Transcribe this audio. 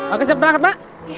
oke siap berangkat mbak